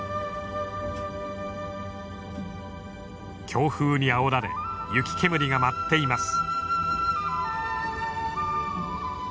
強風にあおられ雪煙が舞っています。